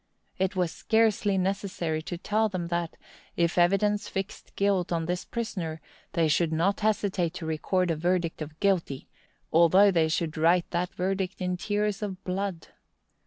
It was scarcely necessary to tell them that, if evidence fixed guilt on this prisoner, they should not hesitate to record a verdict of guilty, although they should write that verdict in tears of blood.